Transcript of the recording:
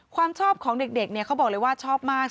ความชอบของเด็กเขาบอกเลยว่าชอบมาก